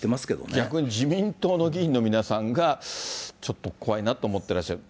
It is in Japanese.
逆に自民党の議員の皆さんが、ちょっと怖いなと思ってらっしゃる。